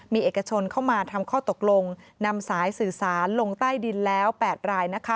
มีเอกชนเข้ามาทำข้อตกลงนำสายสื่อสารลงใต้ดินแล้ว๘ราย